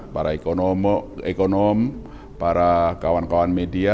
para ekonom para kawan kawan media